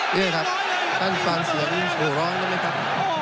นี่ครับท่านฟังเสียงโหร้องได้ไหมครับ